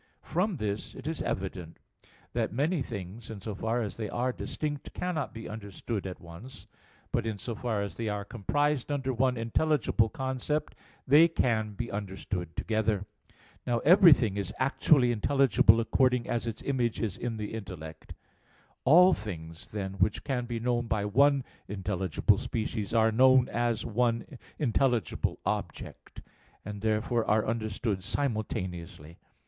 From this it is evident that many things, in so far as they are distinct, cannot be understood at once; but in so far as they are comprised under one intelligible concept, they can be understood together. Now everything is actually intelligible according as its image is in the intellect. All things, then, which can be known by one intelligible species, are known as one intelligible object, and therefore are understood simultaneously.